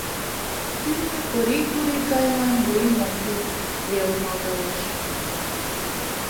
Тӱрлӧ Корий-Курий гайлан вуйым ом пу, — веле малдалеш.